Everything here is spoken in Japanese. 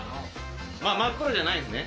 真っ黒じゃないんですね。